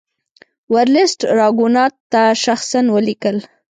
ورلسټ راګونات ته شخصا ولیکل.